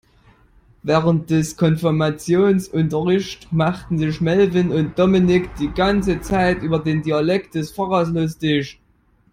Während des Konfirmationsunterrichts machten sich Melvin und Dominik die ganze Zeit über den Dialekt des Pfarrers lustig.